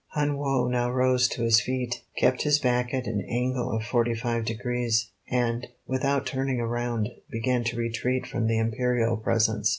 Hun Woe now rose to his feet, kept his back at an angle of forty five degrees, and, without turning around, began to retreat from the Imperial presence.